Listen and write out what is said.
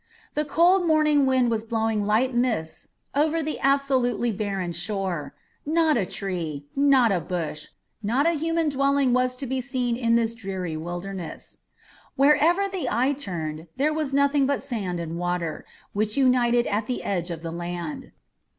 The cold morning wind was blowing light mists over the absolutely barren shore. Not a tree, not a bush, not a human dwelling was to be seen in this dreary wilderness. Wherever the eye turned, there was nothing but sand and water, which united at the edge of the land.